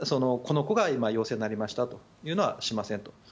この子が今、陽性になりましたというのはしませんと。